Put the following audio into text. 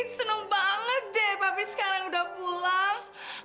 seneng banget deh papi sekarang udah pulang